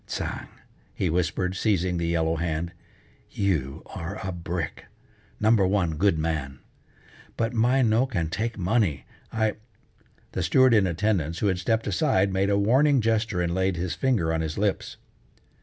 "Tsang!" he whispered, seizing the yellow hand, "You are a brick! Number one good man. But my no can take money, I " The steward in attendance, who had stepped aside, made a warning gesture and laid his finger on his lips.